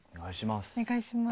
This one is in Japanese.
お願いします。